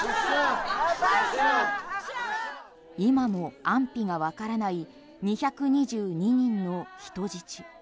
今も安否がわからない２２０人の人質。